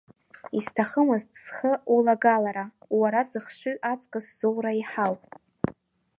Исҭахымызт схы улагалара, уара зыхшыҩ аҵкыс зоура еиҳау.